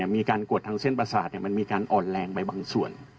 มีการกดทางเส้นประสาทมันมีการอ่อนแรงไปบางส่วน